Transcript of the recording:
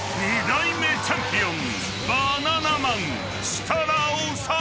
［３代目チャンピオン］